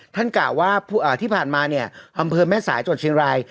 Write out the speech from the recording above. ท่านกะว่าที่ผ่านมาเนี่ยอำเภอแม่สายจนเชียงราย